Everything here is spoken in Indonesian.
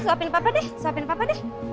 suapin papa deh